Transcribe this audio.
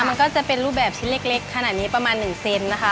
มันก็จะเป็นรูปแบบชิ้นเล็กขนาดนี้ประมาณ๑เซนนะคะ